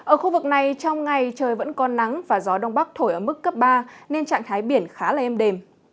ở khu vực này trong ngày trời vẫn có nắng và gió đông bắc thổi ở mức cấp ba nên trạng thái biển khá là êm đềm